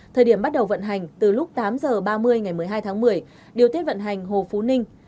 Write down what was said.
thời điểm bắt đầu vận hành từ lúc tám h ba mươi ngày một mươi hai tháng một mươi điều tiết vận hành hồ phú ninh